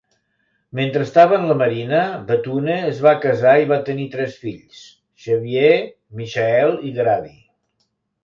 Mentre estava en la Marina, Bethune es va casar i va tenir tres fills, Xavier, Michael i Grady.